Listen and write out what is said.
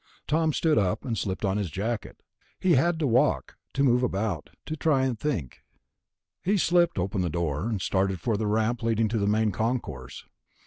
Tom stood up and slipped on his jacket. He had to walk, to move about, to try to think. He slipped open the door, and started for the ramp leading to the Main Concourse.